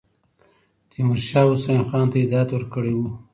تیمورشاه حسین خان ته هدایت ورکړی وو.